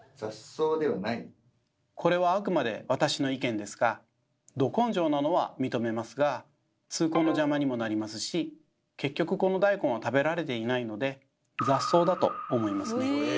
これはあくまで私の意見ですがど根性なのは認めますが通行の邪魔にもなりますし結局この大根は食べられていないので雑草だと思いますね。